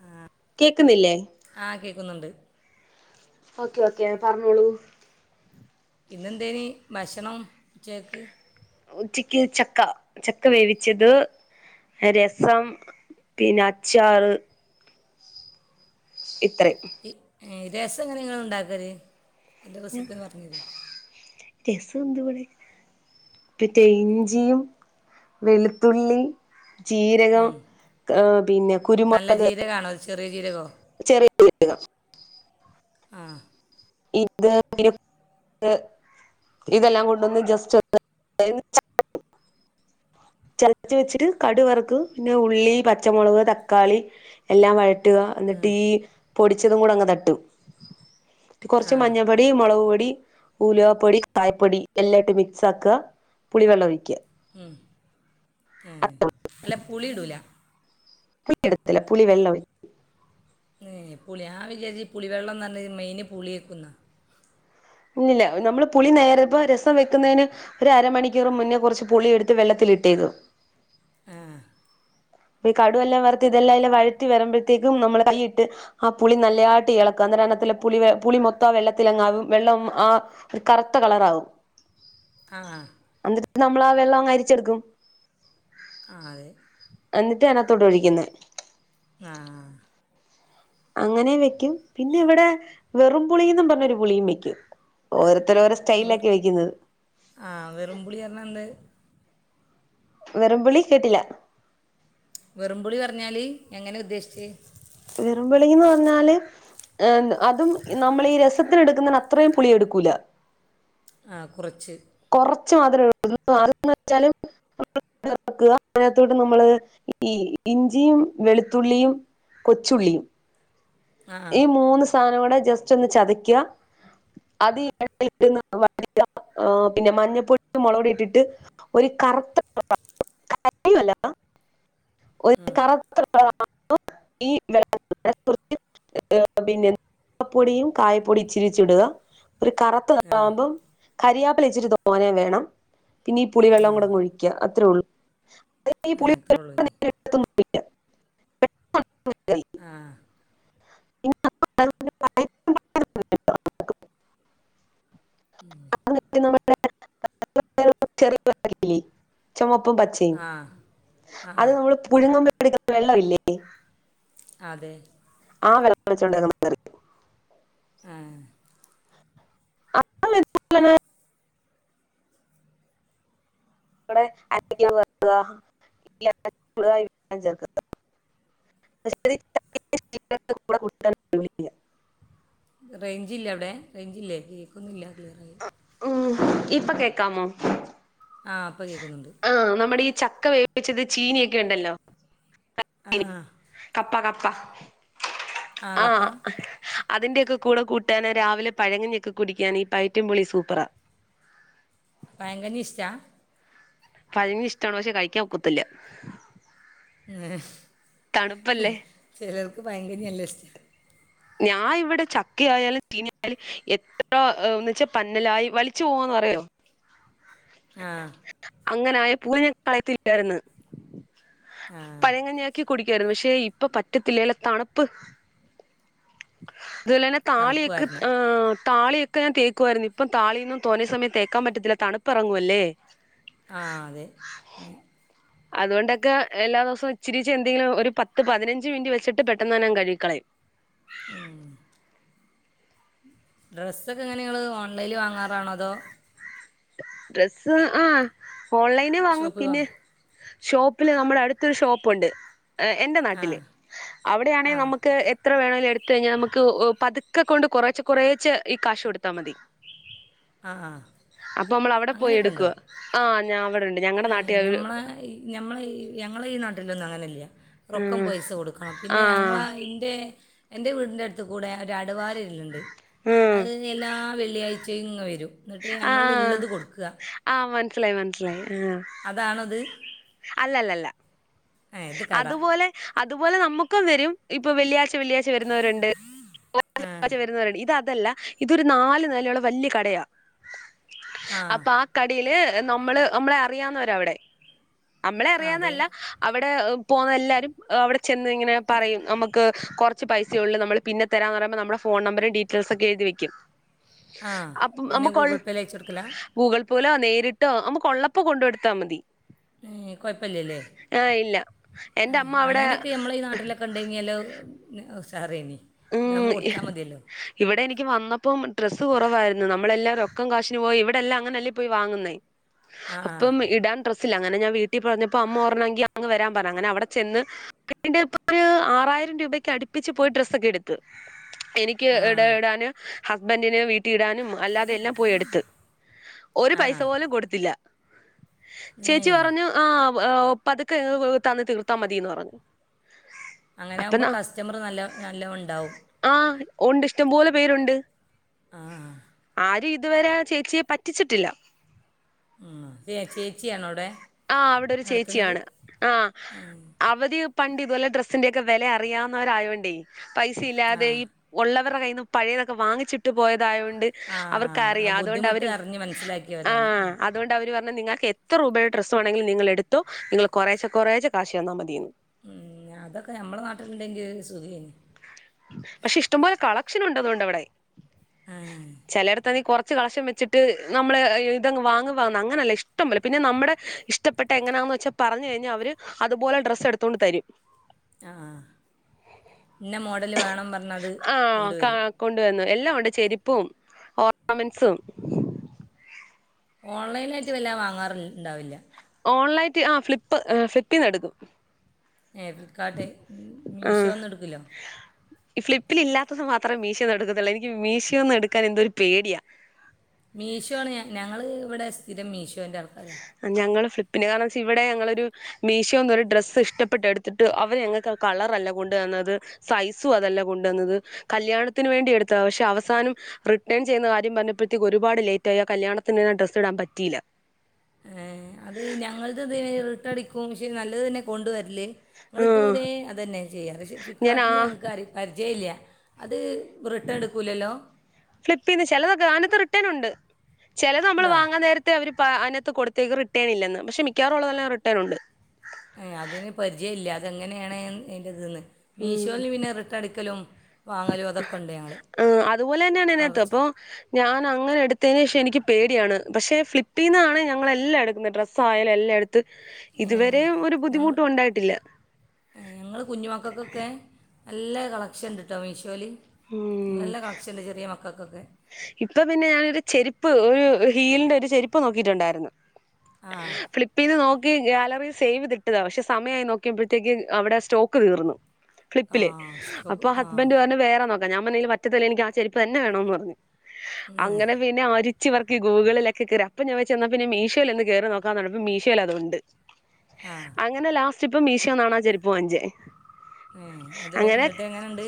ആ കേക്ക്‌ന്നില്ലേ ആഹ് കേക്കുന്നുണ്ട് ഓക്കേ ഓക്കേ പറഞ്ഞോളൂ ഇന്നെന്തേനി ഭക്ഷണം ഉച്ചക്ക് ഉച്ചയ്ക്ക് ചക്ക ചക്ക വേവിച്ചത് രസം പിന്നെ അച്ചാറ് ഇത്രേം ഏ രസം എങ്ങനെ നിങ്ങള് ഇണ്ടാക്കല് അതിൻ്റെ റെസിപ്പിയൊന്ന് പറഞ്ഞു തരോ രസം എന്തുടെ മറ്റേ ഇഞ്ചിയും വെളുത്തുള്ളി ജീരകം ക പിന്നെ നല്ല കുരുമൊളക് ജീരകമാണോ അത് ചെറിയ ജീരകോ ചെറിയ ജീരകം ആഹ് ഇത് [unintelligible] ഇതെല്ലാം കൊണ്ടൊന്ന് ജസ്റ്റ് [unintelligible] ചതച്ച് വെച്ചിട്ട് കടുവറ്ക്കും പിന്നെ ഉള്ളി പച്ചമൊളക് തക്കാളി എല്ലാം വഴട്ടുക എന്നിട്ടീ പൊടിച്ചതും കൂടെങ്ങ് തട്ടും ആ കൊറച്ച് മഞ്ഞൾപ്പൊ ടി മൊളകുപൊടി ഉലുവപ്പൊടി കായപ്പൊടി എല്ലായിട്ട് മിക്സാക്ക പുളി വെള്ളം ഒയിക്ക മ്മ് ഹേ അല്ല പുളിടൂല പുളിടത്തില്ല പുളി വെള്ളം ഒയി ഹേ പുളി ഞാന് വിചാരിച്ച് പുളി വെള്ളം ന്ന് പറഞ്ഞാ മെയിന് പുളിയേക്കുന്നാ ഇല്ലില്ല നമ്മള് പുളി നേരെ ഇപ്പ രസം വെക്കന്നേന് ഒര് അരമണിക്കൂർ മുന്നേ കൊറച്ച് പുളിയെടുത്ത് വെള്ളത്തിലിട്ടേക്കും ആഹ് ഈ കടുവല്ലാം വറുത്തി ഇതല്ലാം അയിലിട്ട് വഴറ്റി വരുമ്പഴത്തേക്കും നമ്മള് കൈയിട്ട്. ആ പുളി നല്ലതായിട്ട് ഏളക്ക അന്ന എണ്ണത്തില പുളി പുളി മൊത്തം വെള്ളത്തിലങ്ങാവും വെള്ളം ആ ഒരു കറുത്ത കളറാകും. ആഹ് എന്നിട്ട് നമ്മള ആ വെള്ളം അരിച്ചെടുക്കും. ആഹ് അതെ എന്നിട്ടാ അതിനകാത്തോടെ ഒഴിക്കുന്നേ. ആഹ് അങ്ങനെ വെക്കും പിന്നെ ഇവിടെ വെറുംപളിയും ന്നും പറഞ്ഞു ഒരു പുളിയും വെക്കും. ഓരോത്തര ഓരോ സ്റ്റൈല് അല്ലേ വെക്കുന്നത്. ആഹ് വെറുംപളി പറഞ്ഞാണ്ട് വെറു പുളി കേട്ടില്ല. വെറുംപൊളി പറഞ്ഞാല് എങ്ങനെ ഉദ്ദേശിച്ചേ? വെറും പുളിന്ന് പറഞ്ഞാല്. അതും നമ്മളീ ഈ രസത്തിനെ ടുക്കുന്നതിന് അത്രയും പുളിയെടുക്കൂല്ല. ആഹ് കുറച്ച്. കൊറച്ചു മാത്രേ ഉള്ളു അതന്ന് വെച്ചാല് [unintelligible] അതിനകത്തോട്ട് നമ്മള് ഈ ഇഞ്ചിയും വെളുത്തുള്ളിയും. കൊച്ചുള്ളിയും ആ ആ ഈ മൂന്ന്. സാധനം കൂടെ ജസ്റ്റ് ഒന്ന് ചതക്ക അത് [unintelligible] പിന്നെ മഞ്ഞപ്പൊടിയും മൊളകു പൊടി ഇട്ടിട്ട് ഒരു കറുത്ത കല്ല. [unintelligible] കർത്താ കളർ ആകുമ്പോ [inaudible] പ്പൊടിയും കായപ്പൊടും ഇച്ചിരിച്ചി ഇടുക ഒരു കറുത്ത ആ നിറവുമ്പോൾ കരി യപ്പില കൊറച് തോന വേണം പിന്നെ ഈ പുളി വെള്ളം ആ കൂടെ ഒഴിക്ക അത്രേ ഒ ള്ളൂ. ആ ഇത്രേ ഉള്ളൂ [unintelligible] ആഹ് [unintelligible] ചമപ്പും പച്ചയും ആ ആ അത് നമ്മൾ പുഴുങ്ങുമ്പോ അതിനകത്തു വെള്ളമില്ലേ. അതെ. ആ വെള്ളം വെച്ചുകൊണ്ട [unintelligible] ഹേ [inaudible] [inaudible] [unintelligible] [unintelligible] റെയിഞ്ച് ഇല്ലെ അവിടെ റേഞ്ച് ഇില്ലേ കേക്കൊന്നില്ല ക്ലിയറായി. ആഹ് ഇപ്പൊ കേക്കാമോ. ആഹ് ഇപ്പം കേക്കുന്നുണ്ട്. ആഹ് നമ്മുടെ ഈ ചക്ക വേവിപ്പിച്ചത് ചീനി ഒക്കെ ഉണ്ടല്ലോ. ആ കപ്പ കപ്പ ആ കപ്പ ആഹ്. അതിന്റെയൊക്കെ കൂടെ കൂട്ടാാന് രാവിലെ പഴങ്ങഞ്ഞൊക്കെ കുടിക്കാൻ ഈ പൈറ്റം പുളി സൂപ്പറാ. പഴങ്കഞ്ഞി ഇഷ്റ്റാ. പഴങ്കഞ്ഞി ഇഷ്ട്ടാണോ ചോയ്ച്ചാൽ കഴിക്കാൻ ഒക്കത്തില്ല. തണുപ്പല്ലേ ചേലോൽക് പഴങ്കഞ്ഞി നല്ല ഇഷ്റ്റാ. ഞാൻ ഇവിടെ ചക്ക ആയാലും ചീന ആയാലും എത്ര ഒന്ന്ച്ച പന്നലായി വലിച്ചു പോവാന്നറിയോ. ആഹ് അങ്ങനെ [unintelligible] കളയത്തില്ലായിരുന്ന് ആ പഴംകഞ്ഞി ക്കി കുടിക്കായിരുന്നു പക്ഷെ ഇപ്പൊ പറ്റത്തില്ലല്ലോ തണുപ്പ്. എല്ലാരും തണുപ്പ് താളിക്ക് കാരണം ആഹ് താളിയൊക്കെ ഞാൻ തേക്കുവായിരുന്നു. ഇപ്പം താളിയൊന്നും തോനെ സമയം തേക്കാൻ പറ്റത്തില്ല. തണുപ്പിറങ്ങുവല്ലേ ആഹ് അതെ അതോണ്ടൊക്കെ എല്ലാ ദിവസവും ഇച്ചിരിച്ച് എന്തെങ്കിലും ഒരു പത്ത്, പതിനഞ്ച് മിനിറ്റ് വെച്ചിട്ട് പെട്ടെന്ന് തന്നെ അങ്ങ് കഴുകിക്കളയും ആഹ് ഡ്രസ്സൊക്കെ എങ്ങനെ നിങ്ങള് ഓൺലൈനിൽ വാങ്ങാറാണോ അതോ ഡ്രസ്സ് ആഹ് ഓൺലൈനിൽ വാങ്ങും ഷോപ്പിൽ പിന്നെ വാങ്ങ ഷോപ്പില് നമ്മുടെ അടുത്തൊരു ഷോപ്പുണ്ട്. എന്റെ ആ നാട്ടില് ആ അവിടെയാണെങ്കിൽ നമുക്ക് എത്ര വേണമേങ്കിലും എടുത്ത് കഴിഞ്ഞാൽ നമുക്ക് പതുക്കെ കൊണ്ട് കുറെച്ച കുറേച്ച് ഈ കാശ് കൊടുത്താൽ മതി. ആഹ് അപ്പൊ നമ്മൾ അവിടെ പോയി എടുക്കുവാ ആഹ് ഞാൻ അവിടെ ഏഹ് ഞമ്മളെ ഞമ്മളെ ഞങ്ങള ഈ നാട്ടിലുള്ള ആളല്ല. റൊക്കം ആഹ് പൈസ കൊടുക്കണം പിന്നെ ഞങ്ങളെ ആഹ് ഇൻ്റെ എൻ്റെ വീടിൻ്റെ അടുത്ത് കൂടെ ഒരു അടവാര് കൊണ്ട് വരലുണ്ട്. ഉം അത് എല്ലാ വെള്ളിയാഴ്ചയും ഇങ്ങ് വരും. എന്നിട്ട് നമ്മൾ ആഹ് ഉള്ളത് കൊടുക്കുക ആഹ് മനസിലായി മനസിലായി ആഹ് അതാണോ അത് അല്ലല്ലല്ല. ഇത് കട അതുപോലെ അതുപോലെ നമുക്കും വരും ഇപ്പൊ വെള്ളിയാഴ്ച വെള്ളിയാ്ച വരുന്നവരുണ്ട് ആ ചൊവ്വാഴ്ച വരുന്നവരുണ്ട് ഇത് അതല്ല ഇതൊരു നാല് നിലയുള്ള വലിയ കടയാ അപ്പൊ ആ കടയില് നമ്മള് നമ്മളെ അറിയാവുന്നവരാ അവിടെ നമ്മളെ ആ അതെ അറിയാവുന്നല്ല അവിടെ പോകുന്ന എല്ലാവരും അവിടെ ചെന്ന് ഇങ്ങനെ പറയും നമുക്ക് കുറച്ച് പൈസ ഉള്ളൂ നമ്മൾ പിന്നെ തരാന്ന് പറയുമ്പോൾ നമ്മുടെ ഫോൺ നമ്പരും ഡീറ്റെൽസ് ഒക്കെ എഴുതി വയ്ക്കും ആഹ് പിന്നെ ഗൂഗിൾ പേയിൽ അയച്ചു കൊടുക്കലാ? ഗൂഗിൾ പേലോ നേരിട്ടോ നമുക്ക് ഉള്ളപ്പോ കൊണ്ടു കൊടുത്താൽ മതി. ഏഹ് കുഴപ്പം ഇല്ലല്ലേ ആഹ് ഇല്ല എന്റെ ഏഹ് അമ്മ അവിടെ അങ്ങനെയൊക്കെ നമ്മളെ ഈ നാട്ടിലൊക്കെ ഉണ്ടെങ്കിലോ ഉശാറേയ്നിം ഉം ഇഹ് ഇവിടെ എനിക്ക് വന്നപ്പം ഡ്രസ്സ് കൊറവായിരുന്നു. നമ്മളെല്ലാരും റൊക്കം കാശിന് പോയി ഇവിടെ എല്ലാം അങ്ങനെല്ലേ പോയി വാങ്ങുന്നേ ആ അപ്പം ഇടാൻ ഡ്രസ്സ് ഇല്ല. അങ്ങനെ ഞാൻ വീട്ടിൽ പറഞ്ഞപ്പോ അമ്മ പറഞ്ഞു എങ്കിൽ അങ് വരാൻ പറഞ്ഞ്. അങ്ങനെ അവിടെ ചെന്ന് [unintelligible] ഇപ്പൊ ഒരു ആറായിരം രൂപക്ക് അടുപ്പിച്ച് പോയി ഡ്രസ്സ് സ്സോക്കെ എടുത്തു. എനിക്ക് ആ ആ ഇട ഇടാന് ഹസ്ബൻഡിന് വീട്ടിൽ ഇടാനും അല്ലാതെ എല്ലാം പോയി എടുത്ത്. ഒരു ആ പൈസ ആ പോലും കൊടുത്തില്ല. ഏ ചേച്ചി പറഞ്ഞു ആഹ് പതുക്കെ തന്ന് തീർത്താ മതിന്ന് പറഞ്ഞു. അങ്ങനെ ആകുമ്പോ കസ്റ്റമർ നല്ല നല്ലോണം ഉണ്ടാവും. ആഹ് ഉണ്ട്. ഇഷ്ടംപോലെ പേരുണ്ട്. ആഹ് ആരും ഇതുവരെ ചേച്ചിയെ പറ്റിച്ചിട്ടില്ല. മം ഏഹ് ചേച്ചിയാണോ അവിടെ? ആഹ് അവിടെ ഒരു നടത്തുന്നത് ചേച്ചിയാണ്. ആ അവര് പണ്ട് ഇതുപോലെ ഡ്രസ്സിന്റെ ഒക്കെ വില അറിയാവുന്നവരായോണ്ടേ ആ പൈസയില്ലാതെ ഈ ഉള്ളവരുടെ കയ്യിൽന്ന് പഴയതൊക്കെ വാങ്ങിച്ചിട്ട് ട്ട് പോയതായൊണ്ട് ആ ആ അവർക്കറിയാം. അതുകൊണ്ട് ബുദ്ധിമുട്ട് അവര് അറിഞ്ഞ് മനസ്സിലാക്കിയവരാണ് ആഹ് ഉം. അതുകൊണ്ട് അവരു പറഞ്ഞു നിങ്ങൾക്ക് എത്ര രൂപയുടെ ഡ്രസ് വേണമെങ്കിലും നിങ്ങൾ എടുത്തോ. നിങ്ങൾ കുറേശേ കുറേശേ കാശ് തന്നാൽ മതിയെന്നു. മം അതൊക്കെ നമ്മുടെ നാട്ടിലുണ്ടെങ്കിൽ സുഖനി പക്ഷെ ഇഷ്ട്ടം പോലെ കളക്ഷൻ ഉണ്ടതുകൊണ്ട് അവിടെ. ആ ചിലടത്ത് കുറച്ച് കളക്ഷൻ വെച്ചിട്ട് നമ്മളെ ഇതങ്ങു വാങ്ങുന്ന അങ്ങനെയല്ല, ഇഷ്ടം പോലെ. പിന്നെ നമ്മുടെ ഇഷ്ടപ്പെട്ട എങ്ങനാണന്ന് വച്ചാ പറഞ്ഞ് കഴിഞ്ഞാ അവര് അതുപോലെ ഡ്രസ്സ് എടുത്തൊണ്ട് തരും. ആഹ് ഇന്നേ മോ ആഹ് കാ കൊണ്ടുവന്നു എല്ലാം ഉണ്ട് ചെരിപ്പും, ഓർണമെന്സും ഓൺലൈനായിട്ട് വല്ലതെ വാങ്ങാറ്ണ്ടാവില്ല. ഓൺലൈറ്റ് ആ ഫ്ലിപ്പ് ഫ്ലിപ്പിൽന്ന് എടുക്കും. ഏഹ് ഫ്ലിപ്പ്കാർട്ട് ആഹ് മീഷോന്നും എടുക്കല്ലോ. ഈ ഫ്ലിപ്പിൽ ഇല്ലാത്തത് മാത്രേ മീഷോന്ന് എടുക്കത്തോള്ളൂ എനിക്ക് മീഷോന്ന് എടുക്കൻ എന്തൊ ഒരു പേടിയാ. മീഷോ ആണ്, ഞങ്ങ ഞങ്ങൾ ഇവിടെ സ്ഥിരം മീഷോൻ്റെ ആൾക്കാരാ. ഞങ്ങള് ഫ്ലിപ്പി കാരണ വെച്ചാ ഇവിടെ ഞങ്ങളൊരു മീശോന്നോരു ഡ്രസ്സ് ഇഷ്ടപ്പെട്ട് എടുത്തിട്ട് അവരെ ഞങ്ങക്ക് ആ കളറല്ല കൊണ്ടുവന്നത്. സൈസും അതല്ല കൊണ്ടുവന്നത്, കല്യാണത്തിന് വേണ്ടി എടുത്തത പക്ഷെ അവസാനം റിട്ടേൺ ചെയ്യുന്ന കാര്യം പറഞ്ഞപ്പോഴത്തേക്ക് ഒരുപാട് ലേറ്റായി. ആ കല്യാത്തിന്ന് ആ ഡ്രസ് ഇടാൻ പറ്റിയില്ല. ഏഹ് അത് ഞങ്ങൾത് ഇത് റിട്ടേൺ അടിക്കും പക്ഷെ നല്ലത് തന്നെ കൊണ്ട് വരല്. ങ്ങൾ ആഹ് ഇതുവരെ അതന്നെ ചെയ്യാ പക്ഷെ ഞാൻ ഫ്ലികാട്ടില് ആഹ് ഞങ്ങക്കാരീം പരിചയല്ല അത് റിട്ടേൺ എടുക്കൂലല്ലോ. ഫ്ലിപ്പിന്ന് ചിലതൊക്കെ അതിനകത് റിട്ടേൺ ഉണ്ട് ചിലത് നമ്മൾ ഉണ്ടോ? വാങ്ങാൻ നേര അവർ പ അതിനത്ത് കൊടുത്തേക്ക് റിട്ടേൺ ഇല്ലെന്ന് പക്ഷേ മിക്കാറുള്ളതെല്ല റിട്ടേൺ ഉണ്ട്. ഏഹ് അതിന് പരിചയ ഇല്ല അതെങ്ങനെയാണ് അതിന്റത്ന്ന്. ഉം മീഷോന്ന് പിന്നെ റിട്ടൺ അടിക്കലും ആഹ് അതുപോലെന്നെയാണ് കളർ ഇതിനകത്ത് ചെ അപ്പൊ ഞാൻ അങ്ങനെ എടുത്തതിന് ശേഷം എനിക്ക് പേടിയാണ്. പക്ഷെ ഫ്ലിപ്പീന്നാണ് ഞങ്ങളെല്ലാം എടുക്കുന്നത് ഡ്രസ് ആയാലും എല്ലാം ത് ഏഹ്. ഇതുവരെ ഒരു ഞങ്ങൾ ബുദ്ധിമുട്ടും ഉണ്ടായിട്ടില്ല. ഏഹ് ഞങ്ങൾ കുഞ്ഞ് മക്കൾക്കൊക്കെ നല്ല കളക്ഷൻണ്ട്ട്ടോ മീഷോല് ഉം നല്ല കളക്ഷന്ണ്ട് ചെറിയ മക്കൾക്കൊക്കെ. ഇപ്പൊ പിന്നെ ഞാനരു ചെരുപ്പ് ഒരു ഹീലിന്റെ ഒരു ചെരുപ്പ് നോക്കിയിട്ടുണ്ടായിരുന്നു. ആ ഫളിപ് പിന്നെ നോക്കി ഗാലറിൽ സേവ്തിട്ടതാ പക്ഷെ സമയായി നോക്കിയ്പഴത്തേക്ക് അവിടെ സ്റ്റോക്ക് തീർന്നു. ആ ഫ്ലിപ്പില് സ്റ്റോക്ക് അപ്പോ ആ. ഹസ്ബൻറ് പറഞ്ഞു വേറെ നോക്കാൻ ഞാൻ പറഞ് പറത്തില്ല എനിക്ക് ആ ചെരുപ്പ് തന്ന വേണമന്ന് പറഞ്ഞു. ഉം. അങ്ങനെ പിന്നെ ആര്. ച് പെർക്കി ഗൂഗിളിലക്കെ കയറി അപ്പ ഞൻ എന്നാ പിന്നെ മീഷോൽന്ന് കയറി നോക്കാർഞപ്പ മീഷോലതുണ്ട്. ആഹ് അങ്ങനെ ലാസ്റ്റ് ഇപ്പ മീശോന്നാണാ ആചരിപ്പ് വാങ്ങിച്ചേ. ഏ അത് അങ്ങനെ എന്നിട്ട് എങ്ങനെയുണ്ട്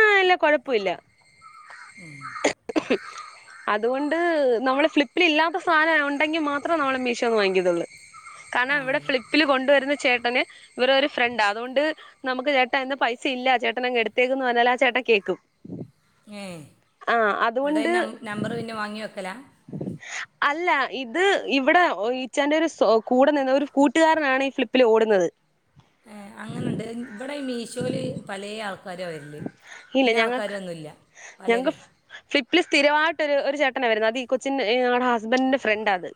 ആഹ് ഇല്ലാ കൊഴപ്പൊല്ല. ഉം ഉം അതുകൊണ്ട് നമ്മള് ഫ്ലിപ്പിൽ ഇല്ലാത്ത സാധനം ഉണ്ടെങ്കി മാത്രമേ നമ്മള് മീഷോന്ന് വാങ്ങിക്കതുള്ളൂ. കാരണം ആ ഇവിടെ അതെ ഫ്ലിപ്പില് കൊണ്ടുവരുന്ന ചേട്ടന് ഇവരുടെ ഒരു ഫ്രണ്ട അതുകൊണ്ട്. നമുക്ക് ചേട്ടാ ഇന്ന് പൈസ ഇല്ല ചേട്ടനങ് എടുത്തേക്കന്ന് പറഞ്ഞാൽ ആ ചേട്ട കേൾക്കും. ങ്ങേ ന്നട്ടയ് നം നമ്പറ് പിന്നെ വാങ്ങി വെക്കല. അല്ല ഇത് ഇവിടെ ഈച്ചാന്റെ ഒരു കൂടെ നിന്ന ഒരു കൂട്ടുകാരനാണ് ഈ ഫ്ളിപ്പിൽ ഓടുന്നത്. ഏഹ് അങ്ങനെണ്ട് ഇവിടെ മീശോൽ പലേ ആൾ ക്കാരോ വരല് ഇല്ല ഇന്ന ആൾക്കാരൊന്നുല്ല പലരുഅ ഫിപ്പിൽ സ്ഥിരമായിട്ട് ഒരു ചേട്ടന വരുന്നു അത് ഈ കൊച്ചിൻ ഞങ്ങളുടെ ഹസ്ബൻഡിന്റെ ഫ്രണ്ട അത്.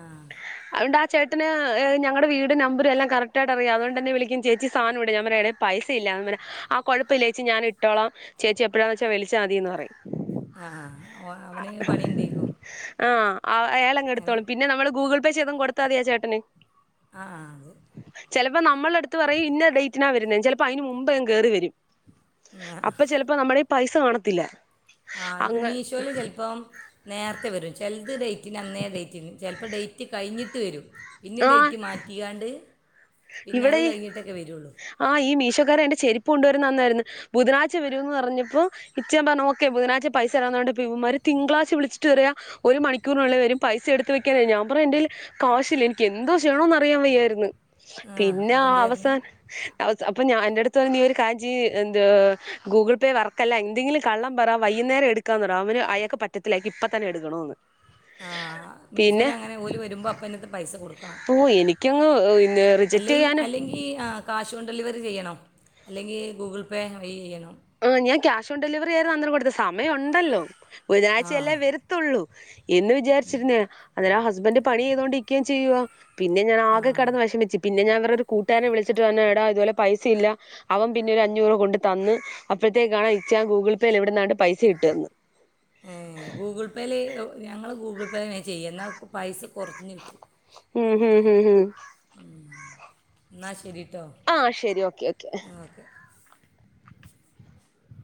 ആഹ് അഓണ്ട് ആ ചേട്ടന് ഞങ്ങടെ വീട് നമ്പർ എല്ലാം കറക്റ്റയിട്ടറിയാം അതുകൊണ്ട് തന്നെ വിളിക്കും ചേച്ചി സാനം ഇവിടെ ഞൻ പറയ എടേ പൈസ ഇല്ലാങ്ങനെ ആ കുഴപ്പല്ല ചേച്ചി ഞാൻ ഇട്ടോളാം ചേച്ചി എപ്പഴാന്ന് വെച്ച വിളിച്ചാ മതിന്ന് പറയും. ആഹ് ആഹ് ഓ അവന് പണി ണ്ടെയ്ക്കോ. ആഹ് അയാളങ് എടുത്തോളും പിന്നെ നമ്മള് ഗൂഗിൾ പേ ചെയ്തും കൊടുത്താതിയാചേട്ടന്. അഹ് ആഹ് അത് ചെലപ്പോ നമ്മളുടുത്ത് പറയും ഇന്ന ഡേറ്റിനാ വരുന്നെ ചിലപ്പോ അയ്ന് മുമ്പ്ങ്‌ കയറി വരും. ആ അപ്പൊ ചെലപ്പോ നമ്മുടെല് പൈസ കാണത്തില്ല. ആഹ് അത് അങ്ങ് മീഷോൽ ചിലപ്പോം നേരത്തെ വരും ചിലത് ഡേറ്റിന് അന്നേ ഡേറ്റിന്. ചെ അപ്പൊ ഡേറ്റ് കഴിഞ്ഞിട്ട് വരും ഇഞ്ഞി ആഹ് ഡേറ്റ് മാറ്റിയാണ്ട്. പിന്നെ അത് കഴിഞ്ഞിട്ടൊക്കെ വരൂള്ളൂ ആഹ് ഈ മീശോക്കാര് എന്റെ ചെരിപ്പ് കൊണ്ടുവരുന്ന അന്നാരുന്ന് ബുധനാഴ്ച വരൂന്ന് പറഞ്ഞപ്പോ ഇച്ച പറഞ്ഞ് ഓക്കേ ബുധനാഴ്ച പൈസ തരാന്ന് പറഞ്ഞിട്ട് ഇപ്പ ഇവന്മാര് തിങ്കളാഴ്ച വിളിച്ചിട്ട് പറയ ഒരു മണിക്കൂറിനുള്ളിൽ വരും പൈസ എടുത്ത് വെക്കാനെ ഞാൻ പറഞ്ഞ് എന്റേല് കാശില്ല എനിക്ക് എന്തോ ചെയ്യണോന്ന് അറിയാൻ വയ്യാരുന്ന് പിന്നെ ആ അപ്പം എന്ത് പറഞ്ഞു അവസാൻ [unintelligible] അപ്പ ഞാ എന്റടുത്ത് പറഞ്ഞ് നീ ഒരു കാര്യം ചെയ്യ് എന്തുവ ഗൂഗിൾ പേ വർക്കല്ല എന്തെങ്കിലും കള്ളം പറ വൈയ്യുന്നേരം എടുക്കാന്ന് പറ അവന് അയാക്ക് പറ്റത്തില്ല ഇപ്പ തന്നെ എടുക്കണോന്ന് ആഹ് പിന്നെ മീഷോയിൽ അങ്ങനെ ഓല് വരുമ്പോ അപ്പന്നെട്ത്ത് പൈസ കൊടുക്കണം ഓ എനിക്കങ്ങ് റിജക്ട് അല്ലേൻ ചെയ്യാനും അല്ലെങ്കി ഈ ആഹ് ക്യാഷ് ഓൺ ഡെലിവറി ചെയ്യണോ അല്ലെങ്കി ഗൂഗിൾ പേ വയി ചെയ്യണോ ആഹ് ഞാൻ ക്യാഷ് ഓൺ ഡെലിവറി ആരുന്നു അന്നരം കൊടുത്തേ സമയം ഒണ്ടല്ലോ ആ ബുധനാഴ്ചയല്ലേ വരുത്തൊള്ളൂ എന്ന് വിചാരിച്ചിരുന്നയാ അന്നരം ഹസ്ബൻഡ് പണി ചെയ്തോണ്ട് നിക്കുവേം ചെയ്യുവോ പിന്നെ ഞാൻ ആകെ കെടന്ന് വിഷമിച്ച് പിന്നെ ഞാൻ പറഞ്ഞ് ഒരു കൂട്ടാരനെ വിളിച്ചിട്ട് പറഞ്ഞ് എടാ ഇതുപോലെ പൈസയില്ല അവൻ പിന്നെ ഒരു അഞ്ഞൂറ് കൊണ്ട് തന്ന് അപ്പഴത്തേക്കാണ് ഇച്ചാൻ ഗൂഗിൾ പേയിൽ എവിടിന്നാണ്ട് പൈസ ഇട്ട് തന്ന് വെല് ഒ ഞങ്ങള് ഗൂഗിൾ പേയ്ന്നങ്ങ് ചെയ്യ എന്നാ പൈസ കുറഞ്ഞ് കിട്ടും ഉം ഹു ഹു ഹു എന്നാ ശരീട്ടോ ആഹ് ശരി ഓക്കേ ഓക്കേ